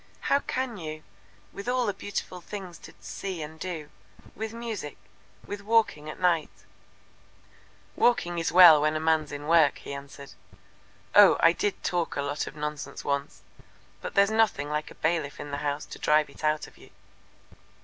"How can you, with all the beautiful things to see and do with music with walking at night " "Walking is well enough when a man's in work," he answered. "Oh, I did talk a lot of nonsense once, but there's nothing like a bailiff in the house to drive it out of you.